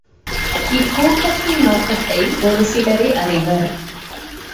இக்கூட்டத்தின் நோக்கத்தை ஒரு சிலரே அறிவர்.